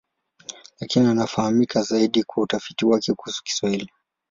Lakini anafahamika zaidi kwa utafiti wake kuhusu Kiswahili.